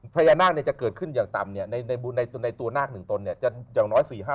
พญานาคจะเกิดขึ้นอย่างต่ำในตัวนาค๑ตนจะอย่างน้อย๔๕